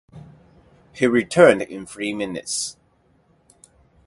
He returned in three minutes.